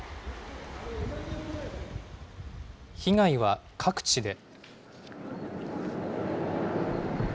被害は各地で。